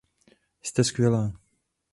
Jste skvělá.